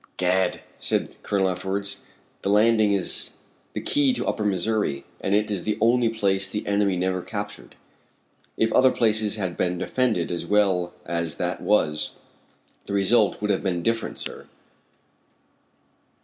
"Gad," said the Colonel afterwards, "the Landing is the key to upper Missouri, and it is the only place the enemy never captured. If other places had been defended as well as that was, the result would have been different, sir."